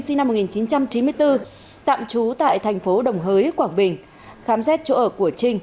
sinh năm một nghìn chín trăm chín mươi bốn tạm trú tại thành phố đồng hới quảng bình khám xét chỗ ở của trinh